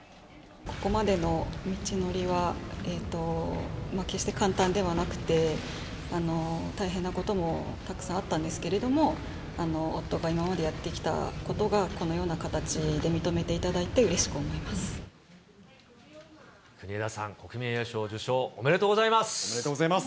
ここまでの道のりは決して簡単ではなくて、大変なこともたくさんあったんですけれども、夫が今までやってきたことが、このような形で認めていただいて、国枝さん、国民栄誉賞受賞、おめでとうございます。